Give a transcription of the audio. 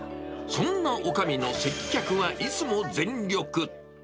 そんなおかみの接客はいつも全力。